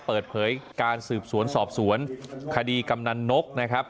เปิดเผยการสืบสวนสอบสวนคดีกำนันนกนะครับ